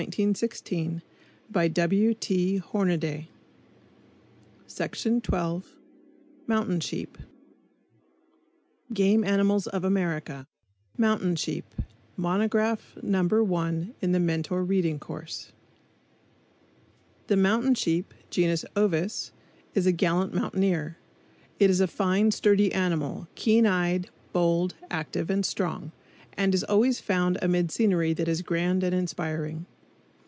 113 [Illustration: FROM PHOTOGRAPH BY CARL RUNGIUS MOUNTAIN SHEEP] Game Animals of America MOUNTAIN SHEEP Monograph Number One In The Mentor Reading Course The mountain sheep (genus Ovis) is a gallant mountaineer. It is a fine, sturdy animal, keen eyed, bold, active and strong, and is always found amid scenery that is grand and inspiring.